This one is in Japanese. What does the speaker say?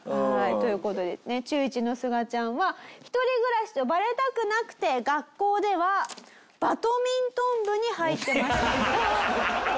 という事でね中１のすがちゃんは一人暮らしとバレたくなくて学校ではバドミントン部に入ってました。